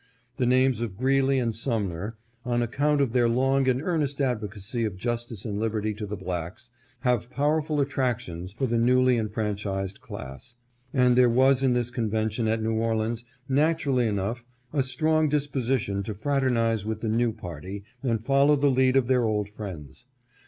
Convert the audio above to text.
The names of Greeley and Sumner, on account of 21 508 ADVANCED POSITION OF NEW YORK STATE. their long and earnest advocacy of justice and liberty to the blacks, had powerful attractions for the newly enfran chised class, and there was in this convention at New Orleans naturally enough a strong disposition to fraternize with the new party and follow the lead of their old friends.